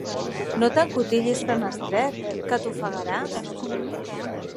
No t'encotillis tan estret, que t'ofegaràs!